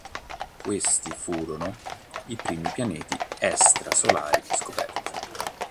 Questi furono i primi pianeti extrasolari scoperti.